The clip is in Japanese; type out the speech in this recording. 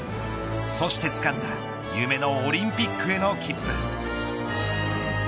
そしてつかんだ夢のオリンピックへの切符。